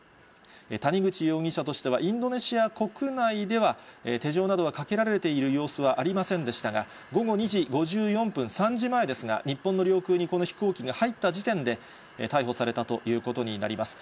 谷口容疑者としては、インドネシア国内では、手錠などはかけられている様子はありませんでしたが、午後２時５４分、３時前ですが、日本の領空にこの飛行機が入った時点で、逮捕されたということになります。